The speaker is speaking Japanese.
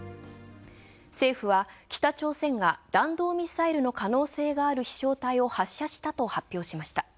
政府は北朝鮮が弾道ミサイルの可能性がある飛翔体を発射したと発表しました。